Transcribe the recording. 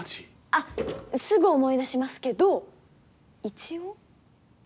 あっすぐ思い出しますけど一応。